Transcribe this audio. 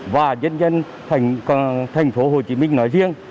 và dân dân thành phố hồ chí minh nói riêng